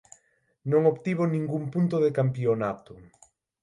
Non obtivo ningún punto de campionato.